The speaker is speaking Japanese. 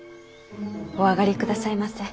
お上がりくださいませ。